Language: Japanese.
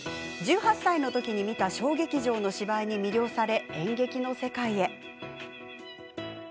１８歳のときに見た小劇場の芝居に魅了され演劇の世界へ。